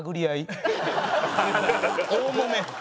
大もめ。